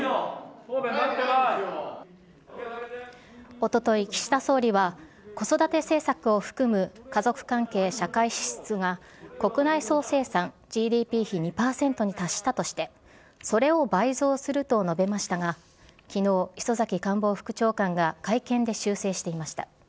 おととい、岸田総理は子育て政策を含む家族関係社会支出が国内総生産＝ＧＤＰ比２％に達したとしてそれを倍増すると述べましたが昨日、磯崎官房副長官が会見で修正していました。